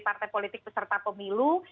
partai politik beserta pemilu